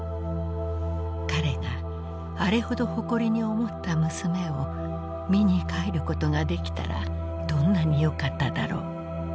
彼があれほど誇りに思った娘を見に帰ることができたらどんなによかっただろう。